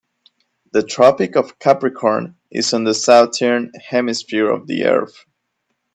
The Tropic of Capricorn is on the Southern Hemisphere of the earth.